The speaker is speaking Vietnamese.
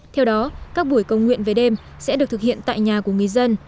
theo đó các buổi công nguyện về đêm sẽ được thực hiện tại nhà của người dân